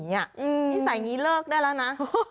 ปฏิเสธระหว่างสายนี้เลิกได้แล้วนะ